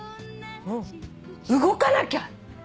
動かなきゃ！